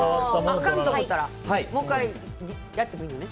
あかんと思ったらもう１回やってもいいのね。